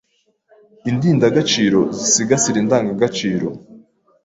Indindagaciro zisigasira indangagaciro